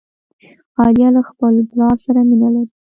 عالیه له خپل پلار سره مینه لري.